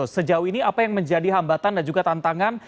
sejauh ini apa yang menjadi hambatan dan juga tantangan